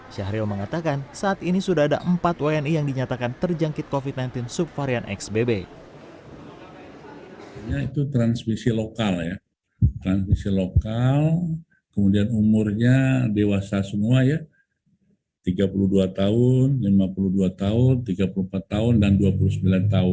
syahril mengatakan saat ini sudah ada empat wni yang dinyatakan terjangkit covid sembilan belas subvarian xbb